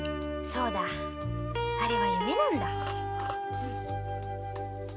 そうだあれは夢なんだ。